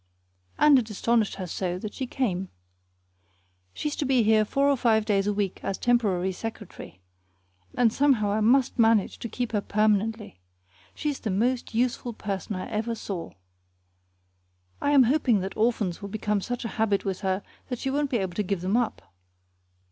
And it astonished her so that she came. She's to be here four or five days a week as temporary secretary, and somehow I must manage to keep her permanently. She's the most useful person I ever saw. I am hoping that orphans will become such a habit with her that she won't be able to give them up.